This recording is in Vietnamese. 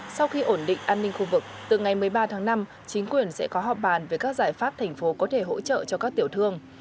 sau khi ổn định an ninh khu vực từ ngày một mươi ba tháng năm chính quyền sẽ có họp bàn về các giải pháp thành phố có thể hỗ trợ cho các tiểu thương